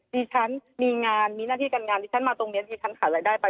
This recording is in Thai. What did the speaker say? ดิฉันมีงานมีหน้าที่การงานที่ฉันมาตรงนี้ดิฉันขาดรายได้ไป